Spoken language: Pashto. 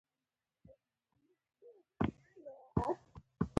اوبه سړې دي